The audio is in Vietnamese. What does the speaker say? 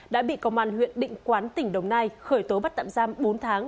đã bị công an huyện định quán tỉnh đồng nai khởi tố bắt tạm giam bốn tháng